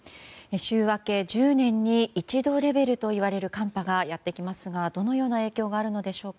週明け１０年に一度レベルといわれる寒波がやってきますがどんな影響があるのでしょうか。